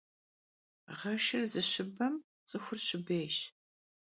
Ğeşşır zışıbem ts'ıxur şıbêyş.